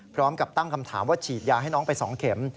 พร้อมกับตั้งคำถามว่าฉีดยาให้น้องไป๒เข็ม